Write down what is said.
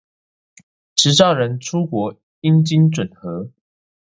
持照人出國應經核准